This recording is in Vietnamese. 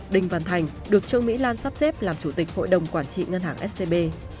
đinh văn thành được trương mỹ lan sắp xếp làm chủ tịch hội đồng quản trị ngân hàng scb